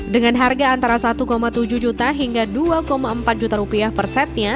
dengan harga antara satu tujuh juta hingga dua empat juta rupiah per setnya